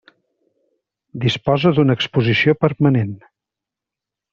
Disposa d'una exposició permanent.